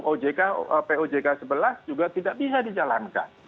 ojk pojk sebelas juga tidak bisa dijalankan